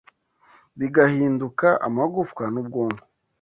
bigahinduka amagufwa n’ubwonko.